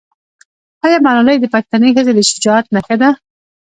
آیا ملالۍ د پښتنې ښځې د شجاعت نښه نه ده؟